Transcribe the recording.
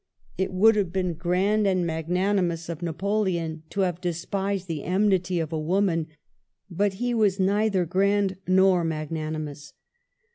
It would have been grand and magnani mous of Napoleon to have despised the enmity of a woman, but ; he was neither grand nor magnan imous.